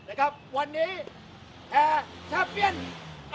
สวัสดีครับวันนี้ชัพเบียนเอ้าเฮ้ย